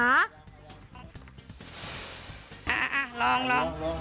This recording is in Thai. อ่าอ่าลองลอง